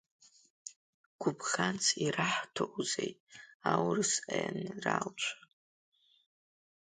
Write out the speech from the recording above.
Губӷанс ираҳҭоузеи аурыс аеинралцәа?